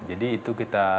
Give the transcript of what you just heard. jadi itu kita temukan